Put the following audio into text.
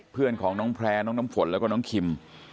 เพื่อนของน้องแพร่น้องน้ำฝนแล้วก็น้องคิม